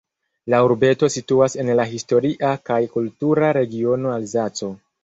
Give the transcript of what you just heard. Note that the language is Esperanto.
La urbeto situas en la historia kaj kultura regiono Alzaco.